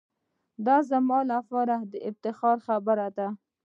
دا زما لپاره دافتخار خبره ده.